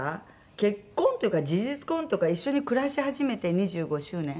結婚というか事実婚というか一緒に暮らし始めて２５周年。